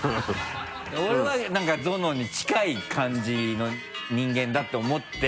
俺は何かゾノに近い感じの人間だって思って。